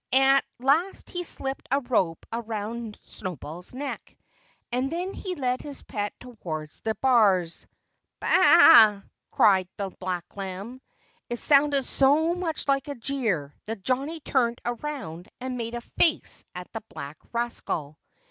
At last he slipped a rope about Snowball's neck. And then he led his pet towards the bars. "Baa a a!" called the black lamb. It sounded so much like a jeer that Johnnie turned around and made a face at the black rascal.